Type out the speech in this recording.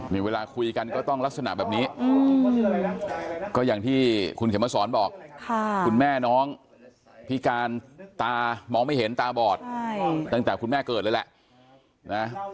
มีเวลาคุยกันก็ต้องลักษณะแบบนี้ก็อย่างที่คุณเข็มมาสอนบอกคุณแม่น้องพิการตามองไม่เห็นตาบอดตั้งแต่คุณแม่เกิดเลยแหละนะ